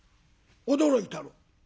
驚いたろ？」。